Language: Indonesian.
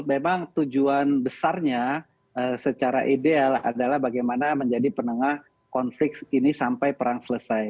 memang tujuan besarnya secara ideal adalah bagaimana menjadi penengah konflik ini sampai perang selesai